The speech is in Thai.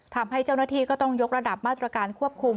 ทำให้เจ้าหน้าที่ก็ต้องยกระดับมาตรการควบคุม